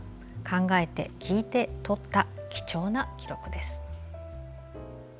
考えて、聞いて、撮った貴重な記録です。